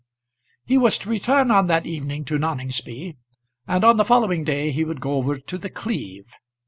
He was to return on that evening to Noningsby, and on the following day he would go over to The Cleeve.